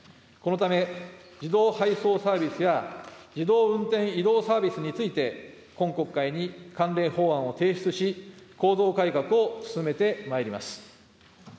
このため、自動配送サービスや自動運転移動サービスについて、今国会に関連法案を提出し、構造改革を進めてまいります。